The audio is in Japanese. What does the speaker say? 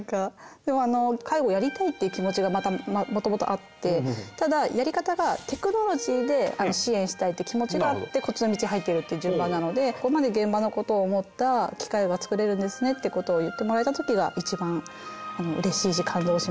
でもあの介護やりたいっていう気持ちがもともとあってただやり方がテクノロジーで支援したいって気持ちがあってこっちの道入ってるって順番なのでここまで現場のことを思った機械が作れるんですねってことを言ってもらえたときがいちばんうれしいし感動しますね。